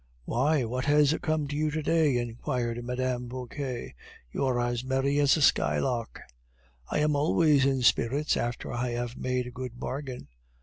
"Why, what has come to you to day?" inquired Mme. Vauquer. "You are as merry as a skylark." "I am always in spirits after I have made a good bargain."